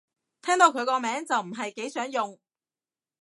聽到佢個名就唔係幾想用